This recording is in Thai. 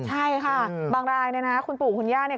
ใช่ค่ะบางรายนะฮะคุณปู่คุณย่า